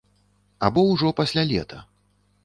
Або ўжо пасля лета.